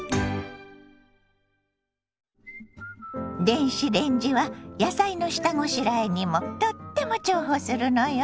電子レンジは野菜の下ごしらえにもとっても重宝するのよ。